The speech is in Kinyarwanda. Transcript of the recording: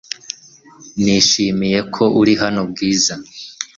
Nishimiye ko uri hano, Bwiza .